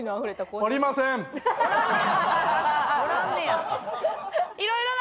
おらんねや。